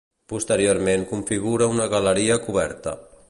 Posteriorment configura una galeria coberta.